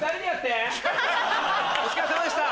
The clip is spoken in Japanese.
お疲れさまでした！